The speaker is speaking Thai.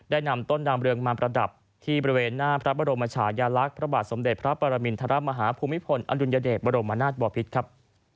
นำต้นดามเรืองมาประดับที่บริเวณหน้าพระบรมชายาลักษณ์พระบาทสมเด็จพระปรมินทรมาฮาภูมิพลอดุลยเดชบรมนาศบอพิษครับ